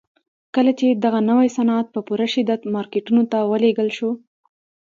کله چې دغه نوي صنعت په پوره شدت مارکيټونو ته ولېږل شو.